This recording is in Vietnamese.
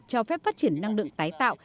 cho phép phát triển năng lượng tái tạo